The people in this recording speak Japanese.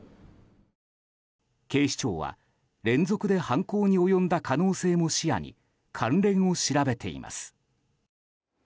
警視庁は連続で犯行に及んだ可能性も視野に関連を調べています。